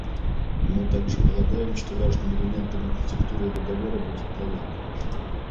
Мы также полагаем, что важным элементом архитектуры договора будет проверка.